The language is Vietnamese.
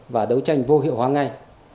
và đấu tranh vô hiểu hóa ngay